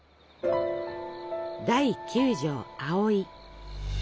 第九帖「葵」。